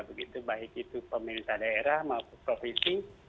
begitu baik itu pemerintah daerah maupun provinsi